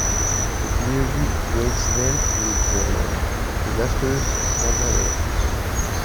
He clearly equates them with Filaster's Nazarei.